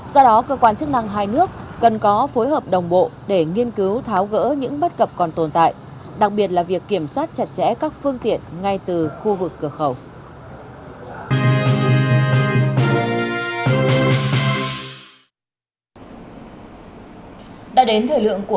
do đó cơ quan chức năng hai nước cần có phối hợp đồng bộ để nghiên cứu tháo gỡ những bất cập còn tồn tại đặc biệt là việc kiểm soát chặt chẽ các phương tiện ngay từ khu vực cửa khẩu